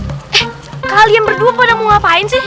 kalian berdua pada mau ngapain sih